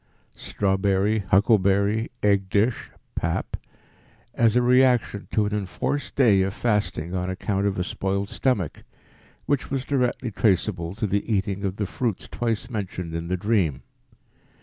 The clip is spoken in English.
strawberry, huckleberry, egg dish, pap), as a reaction to an enforced day of fasting on account of a spoiled stomach, which was directly traceable to the eating of the fruits twice mentioned in the dream.